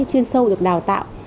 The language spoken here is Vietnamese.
chuyên sâu được đào tạo